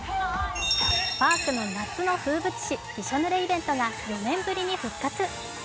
パークの夏の風物詩びしょぬれイベントが４年ぶりに復活。